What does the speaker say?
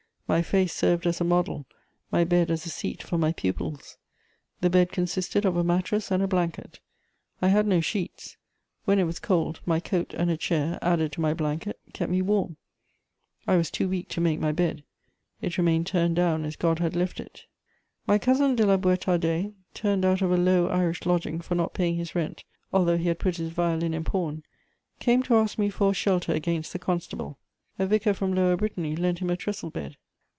My face served as a model, my bed as a seat for my pupils. The bed consisted of a mattress and a blanket. I had no sheets; when it was cold my coat and a chair, added to my blanket, kept me warm. I was too weak to make my bed; it remained turned down as God had left it. My cousin de La Boüétardais, turned out of a low Irish lodging for not paying his rent, although he had put his violin in pawn, came to ask me for a shelter against the constable: a vicar from Lower Brittany lent him a trestle bed.